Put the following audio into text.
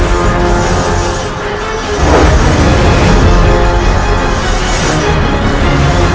yang akan menjelaskan